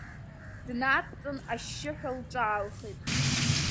Днадҵын, ашьшьыҳәа лҿаалхеит.